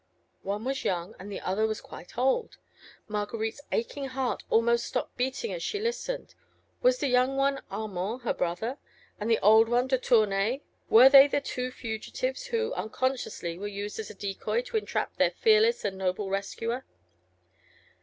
One was young, the other quite old. Marguerite's aching heart almost stopped beating as she listened: was the young one Armand?—her brother?—and the old one de Tournay—were they the two fugitives who, unconsciously, were used as a decoy, to entrap their fearless and noble rescuer.